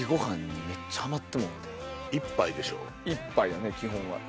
１杯やね基本は。